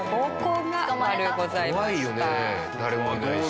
誰もいないし。